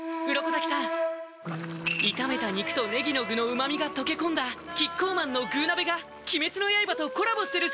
鱗滝さん炒めた肉とねぎの具の旨みが溶け込んだキッコーマンの「具鍋」が鬼滅の刃とコラボしてるそうです